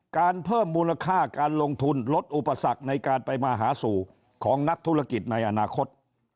การเพิ่มมูลค่าการลงทุนลดอุปสรรคในการไปมาหาสู่ของนักธุรกิจในอนาคต